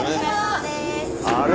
あれ？